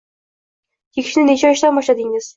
Chekishni necha yoshdan boshladingiz?